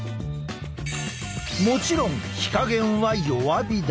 もちろん火加減は弱火だ。